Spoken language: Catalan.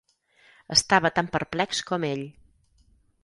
Estava tan perplex com ell.